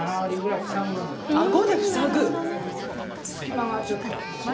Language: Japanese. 隙間がちょっとあるでしょ。